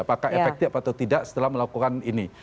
apakah efektif atau tidak setelah melakukan ini